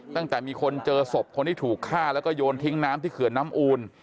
ตั้งแต่มีคนเจอศพคนที่ถูกฆ่าแล้วก็โยนทิ้งน้ำที่เขื่อนน้ำอูล